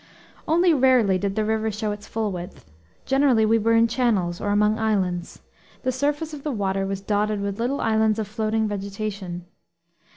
Only rarely did the river show its full width. Generally we were in channels or among islands. The surface of the water was dotted with little islands of floating vegetation.